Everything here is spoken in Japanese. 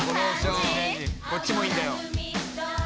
こっちもいいんだよ。